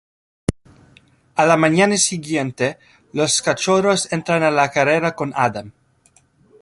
A la mañana siguiente, los cachorros entran a la carrera con Adam.